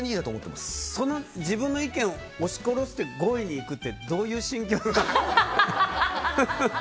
その自分の意見を押し殺して５位にいくってどういう心境？